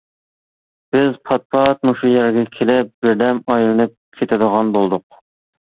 بىز پات-پات مۇشۇ يەرگە كېلىپ بىردەم ئايلىنىپ كېتىدىغان بولدۇق.